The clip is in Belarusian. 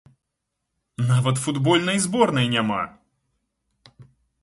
Нават футбольнай зборнай няма!